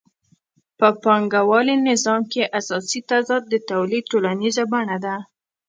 په پانګوالي نظام کې اساسي تضاد د تولید ټولنیزه بڼه ده